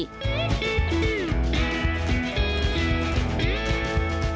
ที่